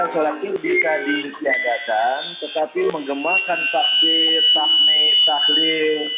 maka sholat id bisa disiagakan tetapi mengembangkan takbir tahni tahlih